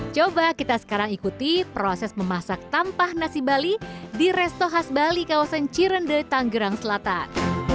coba kita sekarang ikuti proses memasak tampah nasi bali di resto khas bali kawasan cirende tanggerang selatan